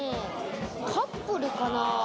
カップルかな？